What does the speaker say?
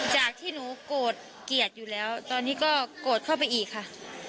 จากที่หนูโกรธเกลียดอยู่แล้วตอนนี้ก็โกรธเข้าไปอีกค่ะ